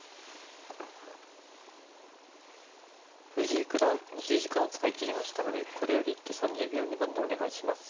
藤井九段持ち時間を使い切りましたのでこれより一手３０秒未満でお願いします。